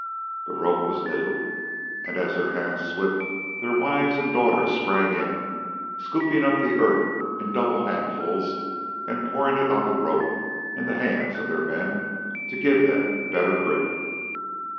The rope was new, and, as their hands slipped, their wives and daughters sprang in, scooping up the earth in double handfuls and pouring it on the rope and the hands of their men to give them better grip.